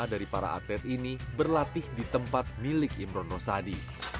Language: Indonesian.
lima dari para atlet ini berlatih di tempat milik imron rosadi